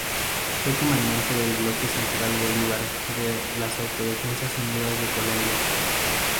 Fue comandante del Bloque Central Bolívar de las Autodefensas Unidas de Colombia.